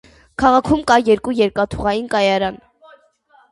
Քաղաքում կա երկու երկաթուղային կայարան։